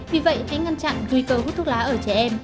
vì vậy hãy ngăn chặn nguy cơ hút thuốc lá ở trẻ em